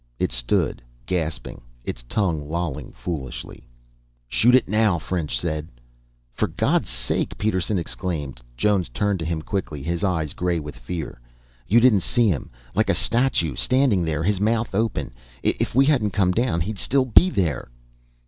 It stood, gasping, its tongue lolling foolishly. "Shoot it now," French said. "For God's sake!" Peterson exclaimed. Jones turned to him quickly, his eyes gray with fear. "You didn't see him like a statue, standing there, his mouth open. If we hadn't come down, he'd still be there."